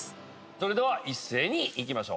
それでは一斉にいきましょう。